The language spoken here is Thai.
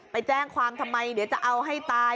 ไปแจ้งความทำไมเดี๋ยวจะเอาให้ตาย